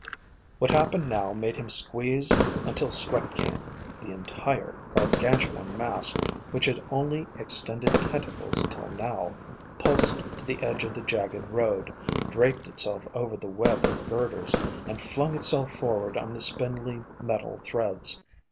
What happened now made him squeeze until sweat came: the entire Gargantuan mass, which had only extended tentacles till now, pulsed to the edge of the jagged road, draped itself over the web of girders, and flung itself forward on the spindly metal threads.